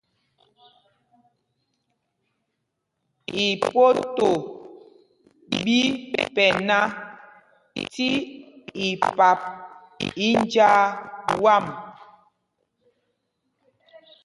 Ipoto ɓí pɛna tí ipap í njāā wām.